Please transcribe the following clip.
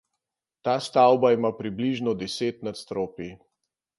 Ta stavba ima približno deset nadstropij.